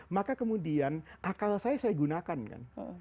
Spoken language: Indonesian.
maka kemudian akal saya saya gunakan kan